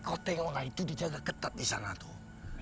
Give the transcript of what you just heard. kau tengoklah itu dijaga ketat disana tuh